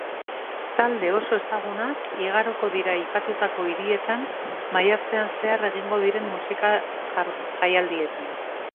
Talde oso ezagunak igaroko dira aipatutako hirietan maiatzean zehar egingo diren musika jaialdietan.